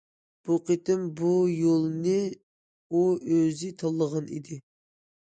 بۇ قېتىم بۇ يولنى ئۇ ئۆزى تاللىغان ئىدى.